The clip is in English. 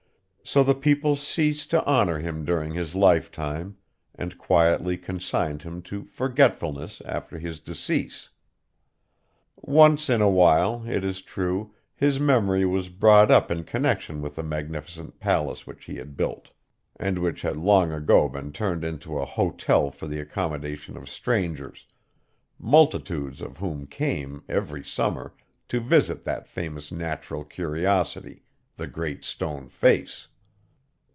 So the people ceased to honor him during his lifetime, and quietly consigned him to forgetfulness after his decease. Once in a while, it is true, his memory was brought up in connection with the magnificent palace which he had built, and which had long ago been turned into a hotel for the accommodation of strangers, multitudes of whom came, every summer, to visit that famous natural curiosity, the Great Stone Face.